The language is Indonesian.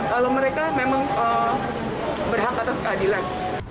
kalau mereka memang berhak atas keadilan